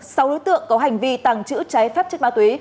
sau đối tượng có hành vi tàng trữ trái phép chất ma túy